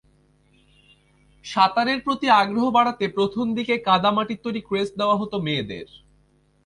সাঁতারের প্রতি আগ্রহ বাড়াতে প্রথম দিকে কাদা-মাটির তৈরি ক্রেস্ট দেওয়া হতো মেয়েদের।